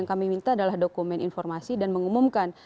karena pemerintah adalah dokumen informasi dan mengumumkan